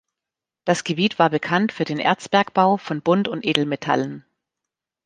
Das Gebiet war bekannt für den Erzbergbau von Bunt- und Edelmetallen.